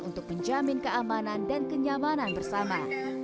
untuk menjamin keamanan dan kenyamanan bersama